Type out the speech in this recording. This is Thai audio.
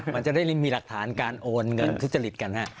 มันจะได้มีหลักฐานการโอนเงินทุจริตกันฮะ